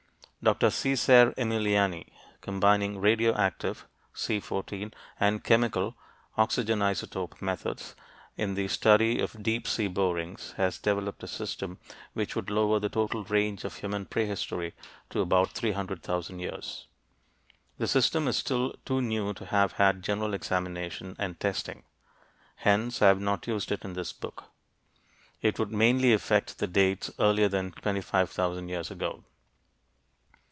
Dr. Cesare Emiliani, combining radioactive (C14) and chemical (oxygen isotope) methods in the study of deep sea borings, has developed a system which would lower the total range of human prehistory to about 300,000 years. The system is still too new to have had general examination and testing. Hence, I have not used it in this book; it would mainly affect the dates earlier than 25,000 years ago.